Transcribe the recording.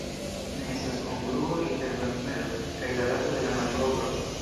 Ne estas kongruo inter la numero kaj la dato de la malkovro.